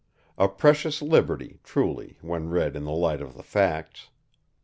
A precious liberty, truly, when read in the light of the facts!